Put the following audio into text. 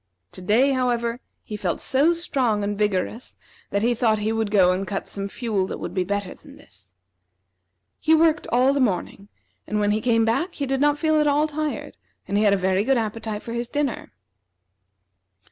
To day, however, he felt so strong and vigorous that he thought he would go and cut some fuel that would be better than this. He worked all the morning, and when he came back he did not feel at all tired, and he had a very good appetite for his dinner.